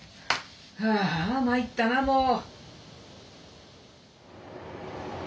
はあ参ったなもう。